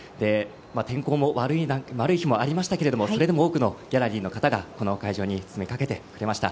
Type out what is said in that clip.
天候も悪い日もありましたけどそれでも多くのギャラリーの方がこの会場に詰めかけてくれました。